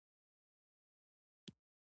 ما هلته واده وکړ او خوشحاله وم.